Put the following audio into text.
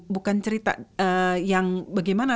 bukan cerita yang bagaimana